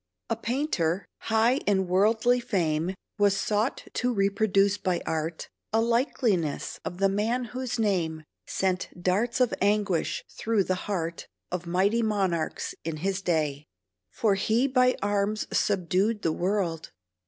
A painter, high in worldy fame, Was sought to reproduce by art A likeness of the man whose name Sent darts of anguish through the heart Of mighty monarchs in his day; For he by arms subdued the world.